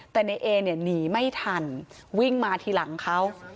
แต่ในเอเนี่ยหนีไม่ทันวิ่งมาทีหลังเขา